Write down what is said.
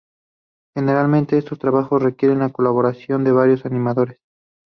Generalmente, estos trabajos requieren de la colaboración de varios animadores.